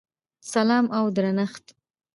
سلام او درنښت!!!